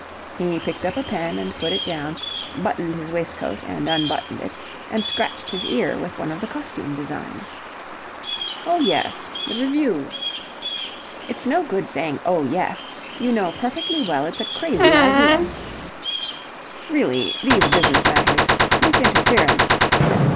He picked up a pen and put it down; buttoned his waistcoat and unbuttoned it; and scratched his ear with one of the costume designs. "Oh yes, the revue!" "It's no good saying 'Oh yes'! You know perfectly well it's a crazy idea." "Really... these business matters... this interference..."